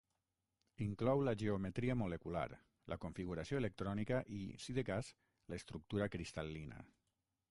Inclou la geometria molecular, la configuració electrònica i, si de cas, l'estructura cristal·lina.